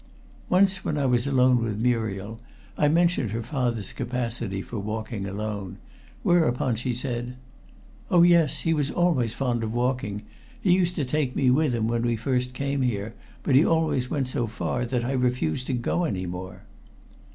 Once, when I was alone with Muriel, I mentioned her father's capacity for walking alone, whereupon she said "Oh, yes, he was always fond of walking. He used to take me with him when we first came here, but he always went so far that I refused to go any more."